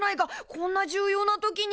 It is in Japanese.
こんな重要な時に。